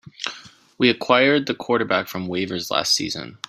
We acquired the quarterback from waivers last season.